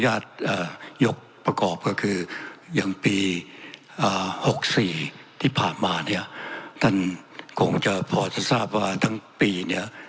อ่าหกสี่ที่ผ่านมาเนี้ยท่านคงจะพอจะทราบว่าทั้งปีเนี้ย